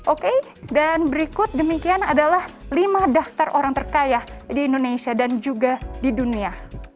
oke dan berikut demikian adalah lima daftar orang terkaya di indonesia dan juga di dunia